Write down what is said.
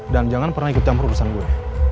dan jangan pernah ikut campur urusan gue